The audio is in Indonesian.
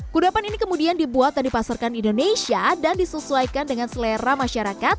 kudapan ini kemudian dibuat dan dipasarkan indonesia dan disesuaikan dengan selera masyarakat